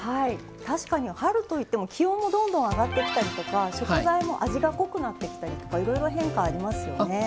確かに春といっても気温もどんどん上がってきたりとか食材も味が濃くなってきたりとかいろいろ変化がありますよね。